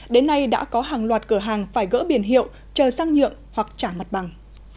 đến nay đã có hàng loạt cửa hàng phải gỡ biển hiệu chờ sang nhượng hoặc trả mặt bằng